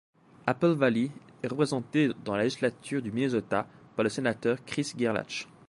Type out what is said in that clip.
Apple Valley est représenté dans la législature du Minnesota par le sénateur Chris Gerlach.